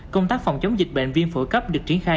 công tác phòng chống dịch bệnh viêm phổi cấp được triển khai